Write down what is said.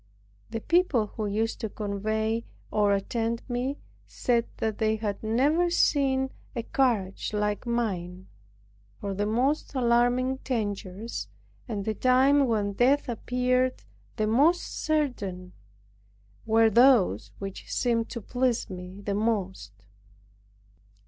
The people who used to convey or attend me said that they had never seen a courage like mine; for the most alarming dangers, and the time when death appeared the most certain, were those which seemed to please me the most.